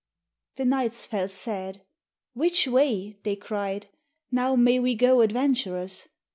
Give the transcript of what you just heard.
The knights fell sad. "Which way," they cried, " Now may we go adventurous